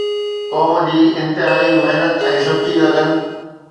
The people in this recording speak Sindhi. قوم جي انتھائي محنت ۽ سچي لگن